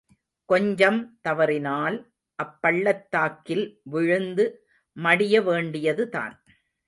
கொஞ்சம் தவறினால் அப்பள்ளத்தாக்கில் விழுந்து மடியவேண்டியதுதான்.